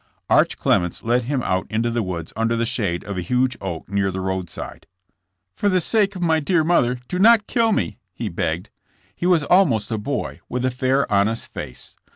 Arch Clements led him out into the woods under the shade of a huge oak near the roadside. For the sake of my dear mother do not kill me," he begged. He was almost a boy, with a fair, honest face.